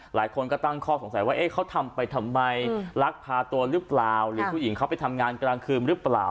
หลายคนก็ตั้งข้อสงสัยว่าเขาทำไปทำไมลักพาตัวหรือเปล่าหรือผู้หญิงเขาไปทำงานกลางคืนหรือเปล่า